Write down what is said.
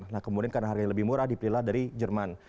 nah kemudian karena harganya lebih murah dipilihlah dari jerman